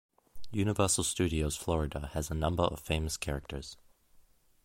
Universal Studios Florida has a number of famous characters.